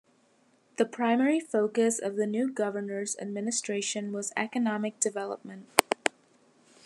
The primary focus of the new governor's administration was economic development.